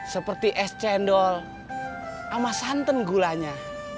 seperti es cendol sama santan gulanya